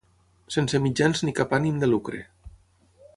Sense mitjans ni cap ànim de lucre.